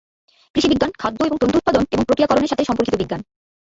কৃষি বিজ্ঞান, খাদ্য এবং তন্তু উৎপাদন এবং প্রক্রিয়াকরণের সাথে সম্পর্কিত বিজ্ঞান।